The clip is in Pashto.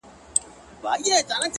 خټي کوم؛